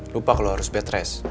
lupa kalau harus bed rest